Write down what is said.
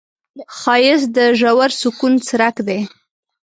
ښایست د ژور سکون څرک دی